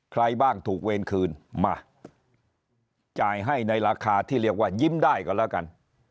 ใครบ้างถูกเวรคืนมาจ่ายให้ในราคาที่เรียกว่ายิ้มได้ก็แล้วกัน